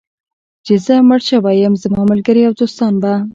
چې زه مړ شوی یم، زما ملګري او دوستان به.